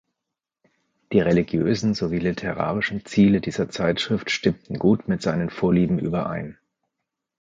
Die religiösen sowie literarischen Ziele dieser Zeitschrift stimmten gut mit seinen Vorlieben überein.